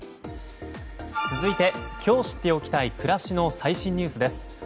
続いて今日知っておきたい暮らしの最新ニュースです。